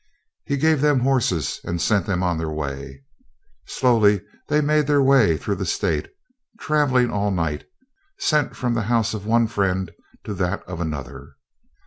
He gave them horses, and sent them on their way. Slowly they made their way through the state, travelling all night, sent from the house of one friend to that of another.